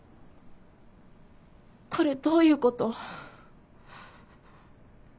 これどういうこと？